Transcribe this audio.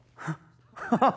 ハハハっ